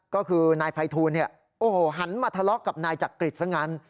ก็คือนายไฟทูนหันมาทะเลาะกับนายจักริดซะกัน